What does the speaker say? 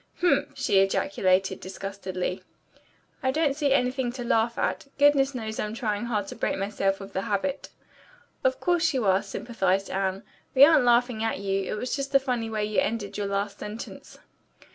"Humph!" she ejaculated disgustedly. "I don't see anything to laugh at. Goodness knows I'm trying hard to break myself of the habit." "Of course you are," sympathized Anne. "We aren't laughing at you. It was the funny way you ended your last sentence."